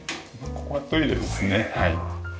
ここがトイレですね。